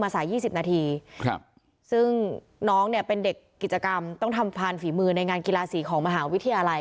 สาย๒๐นาทีซึ่งน้องเนี่ยเป็นเด็กกิจกรรมต้องทำผ่านฝีมือในงานกีฬาสีของมหาวิทยาลัย